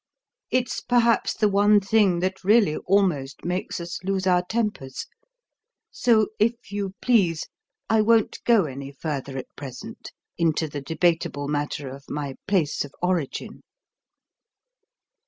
It's perhaps the one thing that really almost makes us lose our tempers. So, if you please, I won't go any further at present into the debatable matter of my place of origin."